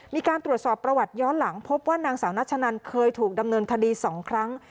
มีการตรวจสอบประวัติย้อนหลังพบว่านางสาวนัชนันเคยถูกดำเนินคดี๒ครั้ง